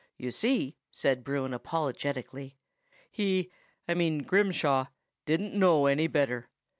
You see," said Bruin apologetically, "he—I mean Grimshaw—didn't know any better.